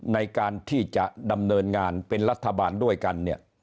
ในการที่จะดำเนินงานเป็นรัฐบาลด้วยกันเนี่ย